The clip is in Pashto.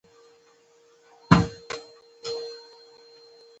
څلورم کارګر به د ستنې څوکه تېره کوله